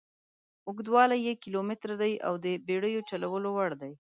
اوږدوالی یې کیلومتره دي او د بېړیو چلولو وړ دي.